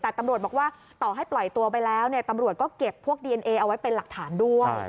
แต่ตำรวจบอกว่าต่อให้ปล่อยตัวไปแล้วเนี่ยตำรวจก็เก็บพวกดีเอนเอเอาไว้เป็นหลักฐานด้วย